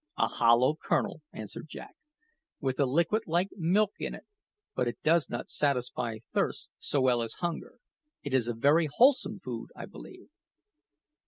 "A hollow kernel," answered Jack, "with a liquid like milk in it; but it does not satisfy thirst so well as hunger. It is very wholesome food, I believe."